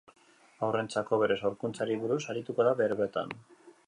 Haurrentzako bere sorkuntzari buruz arituko da berbetan.